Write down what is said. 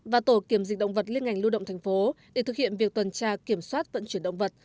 và tổ kiểm dịch động vật liên ngành lưu động thành phố để thực hiện việc tuần tra kiểm soát vận chuyển động vật